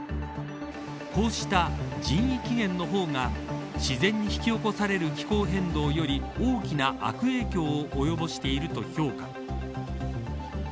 こうした人為起源の方が自然に引き起こされる気候変動より大きな悪影響を及ぼしていると評価。